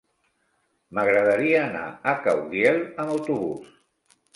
M'agradaria anar a Caudiel amb autobús.